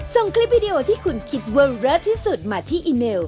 ส่งคลิปวิดีโอที่คุณคิดเวอร์เลิศที่สุดมาที่อีเมล